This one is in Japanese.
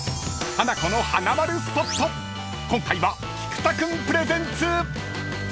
［今回は菊田君プレゼンツ］